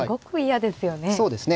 そうですね。